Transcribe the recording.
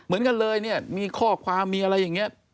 เหมือนกันเลยเนี่ยมีข้อความมีอะไรอย่างนี้